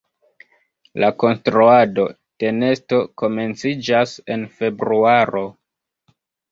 La konstruado de nesto komenciĝas en februaro.